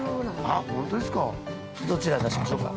どちらへ出しましょうか。